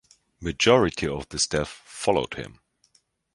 Majority of the staff followed him.